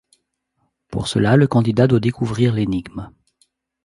Pour cela le candidat doit découvrir l'énigme.